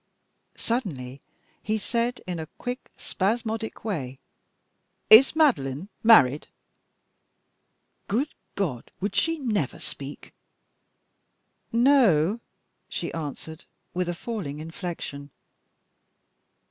Suddenly he said, in a quick, spasmodic way "Is Madeline married?" Good God! Would she never speak! "No," she answered, with a falling inflection.